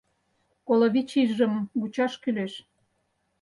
Коло вич ийжым вучаш кӱлеш.